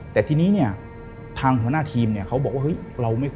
แต่ทีนี้ทางหัวหน้าทีมเขาบอกว่า